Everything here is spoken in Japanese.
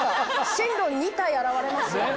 神龍２体現れますよ。